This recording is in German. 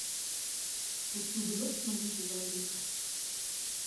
Wozu benutzt man diese Salbe?